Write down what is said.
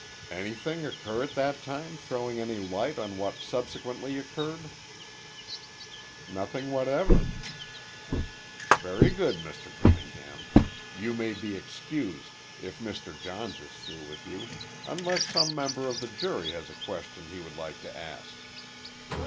"Anything occur at that time throwing any light on what subsequently occurred?" "Nothing whatever." "Very good, Mr. Cunningham. You may be excused, if Mr. Johns is through with you, unless some member of the jury has a question he would like to ask."